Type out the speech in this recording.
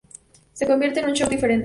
Se convierte en un show diferente.